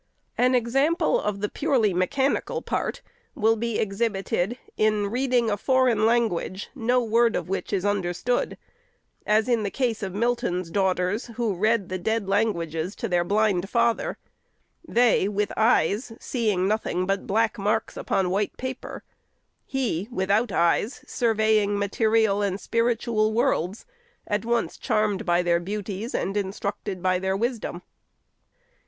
An example of the purely mechanical part is exhibited in reading a foreign language, no word of which is under stood ; as in the case of Milton's daughters, who read the dead languages to their blind father ;— they, with eyes, seeing nothing but black marks upon white paper, — he, without eyes, surveying material and spiritual worlds, — at once charmed by their beauties, and instructed by their wisdom.